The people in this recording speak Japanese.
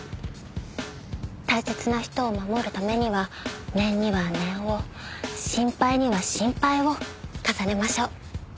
大切な人を守るためには念には念を心配には心配を重ねましょう。